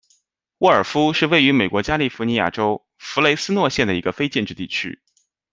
沃尔夫是位于美国加利福尼亚州弗雷斯诺县的一个非建制地区。